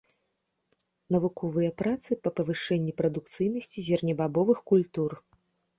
Навуковыя працы па павышэнні прадукцыйнасці зернебабовых культур.